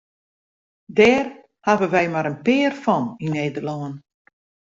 Dêr hawwe wy mar in pear fan yn Nederlân.